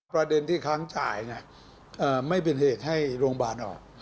ประเด็นที่ค้างจ่ายไม่เป็นเหตุให้โรงพยาบาลออก